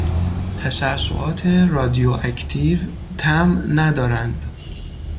تششعات رادیواکتیو طعم ندارند